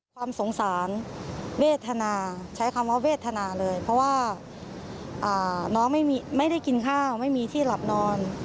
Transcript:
ความสงสารเวทนาใช้คำว่าเวทนาเลยเพราะว่าน้องไม่ได้กินข้าวไม่มีที่หลับนอน